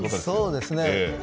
そうですね。